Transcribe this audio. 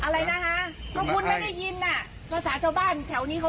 ลองเรียนเข้ามาก่อนอ้าวที่ท่านลองดูอ่ะ